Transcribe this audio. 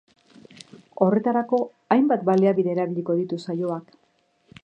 Horretarako, hainbat baliabide erabiliko ditu saioak.